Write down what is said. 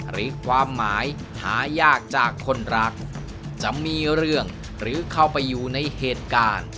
หรือความหมายหายากจากคนรักจะมีเรื่องหรือเข้าไปอยู่ในเหตุการณ์